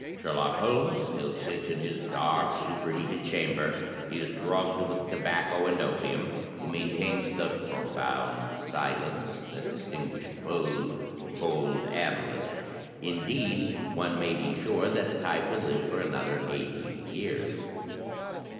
Sherlock Holmes still sits in his dark, superheated chamber; he is drugged with tobacco and opium; he maintains the * profound silence' that distinguished Poe's cold analyst; indeed, one may be sure that the type will live for another eighty years."